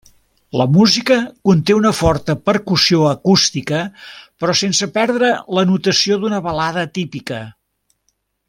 La música conté una forta percussió acústica però sense perdre la notació d'una balada típica.